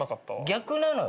逆なのよ